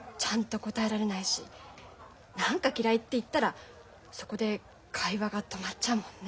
何か嫌いって言ったらそこで会話が止まっちゃうもんね。